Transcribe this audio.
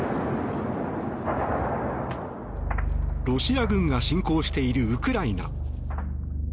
ロシア軍が侵攻しているウクライナ。